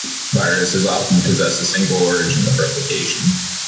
Viruses often possess a single origin of replication.